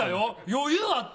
余裕あった？